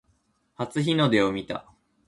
初日の出を見た